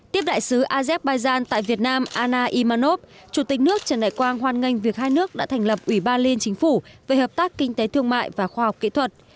tiếp đại sứ azerbaijan tại việt nam anna imanov chủ tịch nước trần đại quang hoan nghênh việc hai nước đã thành lập ủy ban liên chính phủ về hợp tác kinh tế thương mại và khoa học kỹ thuật